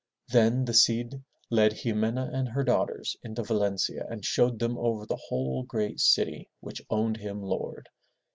Then the Cid led Ximena and her daughters into Valencia and showed them over the whole great city which owned him lord.